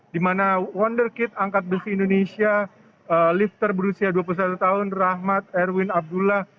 di mana wonder kit angkat besi indonesia lifter berusia dua puluh satu tahun rahmat erwin abdullah